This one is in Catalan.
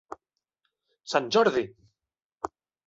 Sant Jordi!